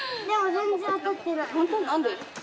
何で？